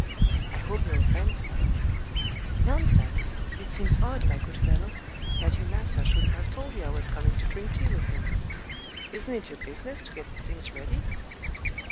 "I hope no offence, sir." "Nonsense! It seems odd, my good fellow, that your master shouldn't have told you I was coming to drink tea with him. Isn't it your business to get the things ready?"